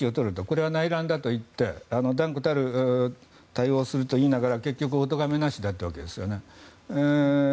これは内乱だと言って断固たる対応をすると言いながら結局、おとがめなしだったわけですよね。